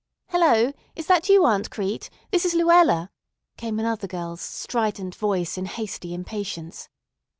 "Hello! Is that you Aunt Crete? This is Luella," came another girl's strident voice in hasty impatience.